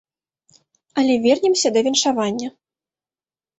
Але вернемся да віншавання.